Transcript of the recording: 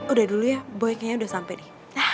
udah dulu ya boy kayaknya udah sampe nih